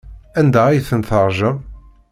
Anda ay ten-teṛjam?